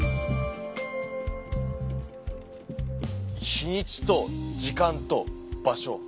日にちと時間と場所。